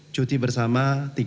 cuti bersama tiga belas empat belas